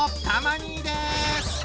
たま兄です！